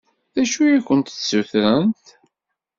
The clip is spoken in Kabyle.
D acu i akent-d-ssutrent?